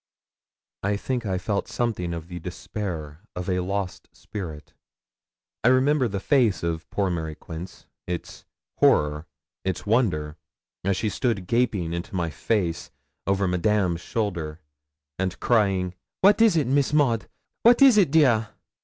I think I felt something of the despair of a lost spirit. I remember the face of poor Mary Quince its horror, its wonder as she stood gaping into my face, over Madame's shoulder, and crying 'What is it, Miss Maud? What is it, dear?'